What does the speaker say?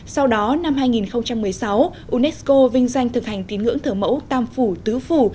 sau đó năm hai nghìn một mươi sáu unesco vinh danh thực hành tín ngưỡng thở mẫu tam phủ tứ phủ